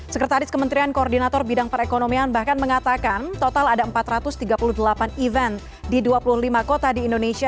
sekretaris kementerian koordinator bidang perekonomian bahkan mengatakan total ada empat ratus tiga puluh delapan event di dua puluh lima kota di indonesia